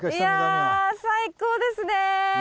いや最高ですね。